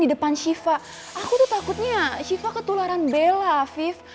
dia kemakam makamu ngikut kece commonly avant alex